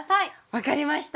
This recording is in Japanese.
分かりました。